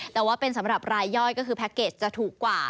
แต่ว่าเป็นสำหรับรายย่อยก็คือแพ็คเกจจะถูกกว่า